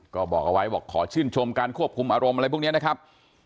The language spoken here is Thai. ก็บอกเอาไว้บอกขอชื่นชมการควบคุมอารมณ์อะไรพวกนี้นะครับ